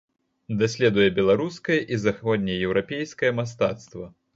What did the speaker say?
Даследуе беларускае і заходнееўрапейскае мастацтва.